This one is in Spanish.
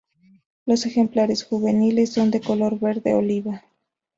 Los ejemplares juveniles son de color verde oliva.